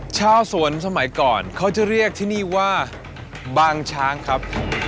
ชาวสวนสมัยก่อนเขาจะเรียกที่นี่ว่าบางช้างครับ